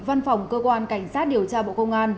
văn phòng cơ quan cảnh sát điều tra bộ công an